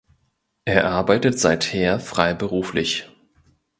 Er arbeitet seither freiberuflich.